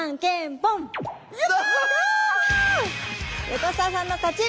横澤さんの勝ち！